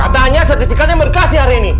katanya sertifikatnya berkasi hari ini